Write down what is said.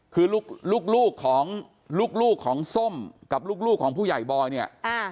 คือลูกลูกของลูกของส้มกับลูกของผู้ใหญ่บอยเนี่ย